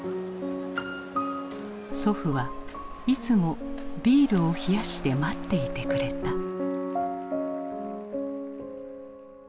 祖父はいつもビールを冷やして待っていてくれた。